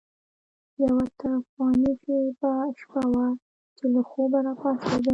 یوه طوفاني شپه وه چې له خوبه راپاڅېدم.